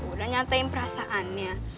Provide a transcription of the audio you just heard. udah nyatain perasaannya